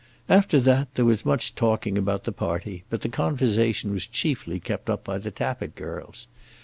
After that, there was much talking about the party, but the conversation was chiefly kept up by the Tappitt girls.